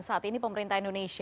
saat ini pemerintah indonesia